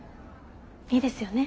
いいですよね？